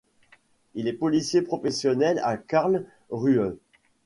Il est policier professionnel à Karlsruhe.